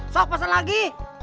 sok pesen lagi